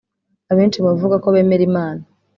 Abenshi mu bavuga ko bemera Imana